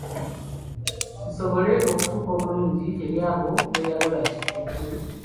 Kisobole okutuuka obulungi eri abo b’oyagala kituuke.